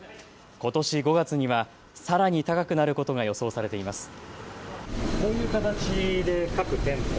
ことし５月には、さらに高くなることが予想されています。